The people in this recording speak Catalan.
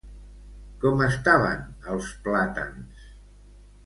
Com estaven els plàtans?